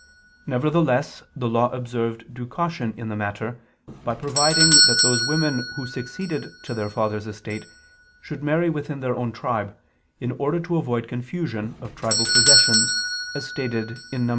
Nevertheless the Law observed due caution in the matter, by providing that those women who succeeded to their father's estate, should marry within their own tribe, in order to avoid confusion of tribal possessions, as stated in Num.